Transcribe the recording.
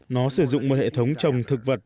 nó sử dụng một hệ thống trồng thực vật